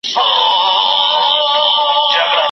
ځه چي دواړه د پاچا کورته روان سو